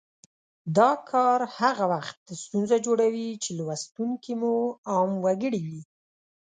دا کار هغه وخت ستونزه جوړوي چې لوستونکي مو عام وګړي وي